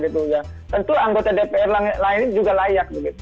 tentu anggota dpr lainnya juga layak